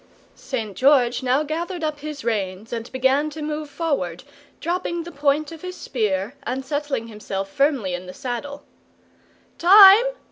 St. George now gathered up his reins and began to move forward, dropping the point of his spear and settling himself firmly in the saddle. "Time!"